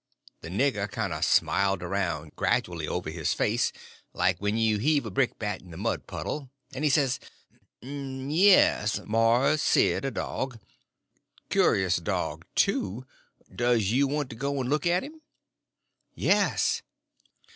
The nigger kind of smiled around gradually over his face, like when you heave a brickbat in a mud puddle, and he says: "Yes, Mars Sid, a dog. Cur'us dog, too. Does you want to go en look at 'im?" "Yes."